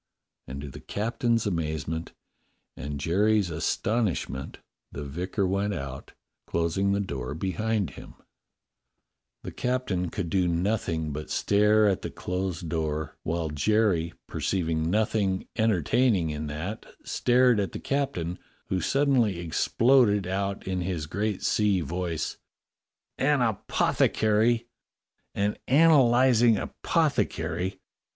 And to the captain's amazement and Jerry's astonishment the vicar went out, closing the door behind him. A CURIOUS BREAKFAST PARTY 155 The captain could do nothing but stare at the closed door, while Jerry, perceiving nothing entertaining in that, stared at the captain, who suddenly exploded out in his great sea voice : "An apothecary, an analyzing apothecary!